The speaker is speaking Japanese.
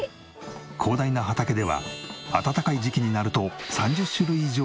広大な畑では暖かい時期になると３０種類以上の野菜が収穫できる。